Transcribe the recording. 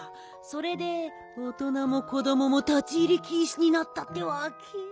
それで大人も子どもも立ち入りきんしになったってわけ。